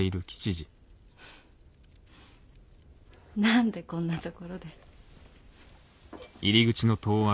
なんでこんなところで。